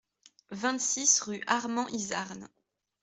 vingt-six rue Armand Izarn